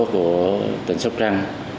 của tỉnh sốc răng